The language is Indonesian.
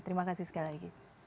terima kasih sekali lagi